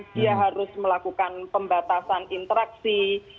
dia harus melakukan pembatasan interaksi